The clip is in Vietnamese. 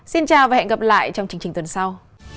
xin chào và hẹn gặp lại trong chương trình tuần sau